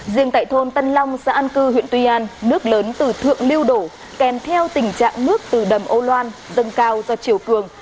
riêng tại thôn tân long xã an cư huyện tuy an nước lớn từ thượng lưu đổ kèm theo tình trạng nước từ đầm âu loan dâng cao do chiều cường